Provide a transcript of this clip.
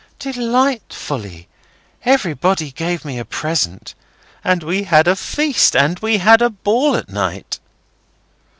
"Delightfully! Everybody gave me a present. And we had a feast. And we had a ball at night."